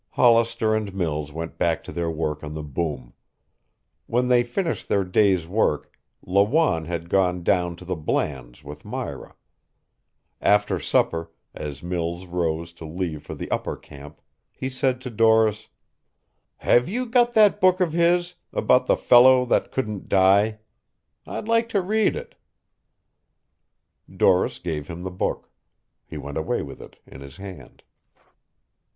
Hollister and Mills went back to their work on the boom. When they finished their day's work, Lawanne had gone down to the Blands' with Myra. After supper, as Mills rose to leave for the upper camp, he said to Doris: "Have you got that book of his about the fellow that couldn't die? I'd like to read it." Doris gave him the book. He went away with it in his hand.